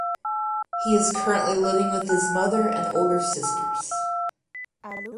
He is currently living with his mother and older sisters.